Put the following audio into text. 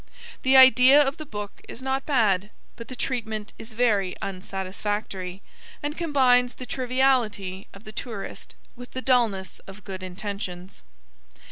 The idea of the book is not bad, but the treatment is very unsatisfactory, and combines the triviality of the tourist with the dulness of good intentions.